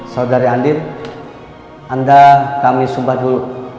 saudari andini anda kami sumpah dulu